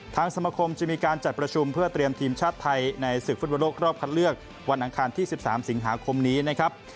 สมคมจะมีการจัดประชุมเพื่อเตรียมทีมชาติไทยในศึกฟุตบอลโลกรอบคัดเลือกวันอังคารที่๑๓สิงหาคมนี้นะครับ